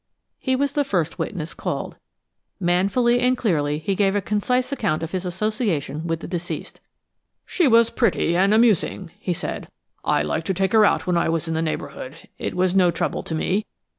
He was the first witness called. Manfully and clearly he gave a concise account of his association with the deceased. "She was pretty and amusing," he said. "I liked to take her out when I was in the neighborhood; it was no trouble to me.